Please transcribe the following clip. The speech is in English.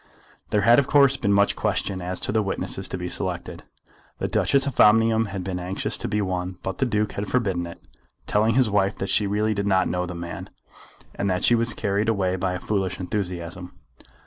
There had of course been much question as to the witnesses to be selected. The Duchess of Omnium had been anxious to be one, but the Duke had forbidden it, telling his wife that she really did not know the man, and that she was carried away by a foolish enthusiasm.